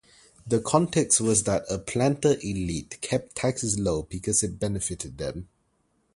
The context was that a planter elite kept taxes low because it benefited them.